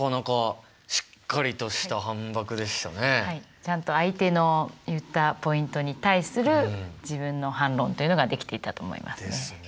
ちゃんと相手の言ったポイントに対する自分の反論というのができていたと思いますね。ですね。